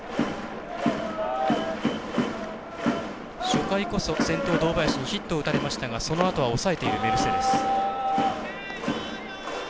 初回こそ、先頭、堂林にヒットを打たれましたけどもそのあとは抑えているメルセデス。